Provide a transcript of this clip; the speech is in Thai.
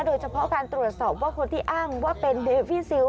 โดยเฉพาะการตรวจสอบว่าคนที่อ้างว่าเป็นเบฟิซิล